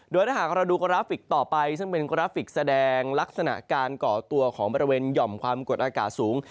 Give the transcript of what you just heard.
โดยถ้าหากเราดูกราฟิกต่อไปซึ่งเป็นกราฟิกแสดงลักษณะการก่อตัวของบริเวณหย่อมความกดอากาศสูง